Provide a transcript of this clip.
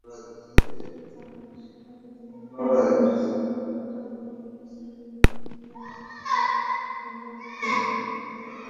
তবে সারা পৃথিবীর মানুষকে একটা গোল বস্তু একই নেশায় মত্ত করে তুলতে পারে।